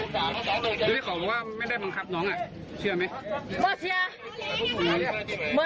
ที่นี่ขอบอกว่าไม่ได้บังคับหนองอะเชื่อไหมไม่เชื่อ